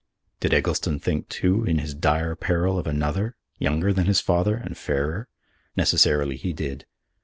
Did Eggleston think, too, in his dire peril of another younger than his father and fairer? Necessarily, he did.